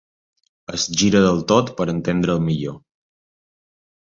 Es gira del tot per entendre'l millor.